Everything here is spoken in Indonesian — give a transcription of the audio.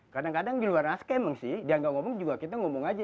kadang kadang di luar naskah emang sih dia gak ngomong juga kita ngomong aja